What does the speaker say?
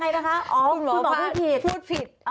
เดี๋ยวยังไงนะคะคุณหมอพูดผิด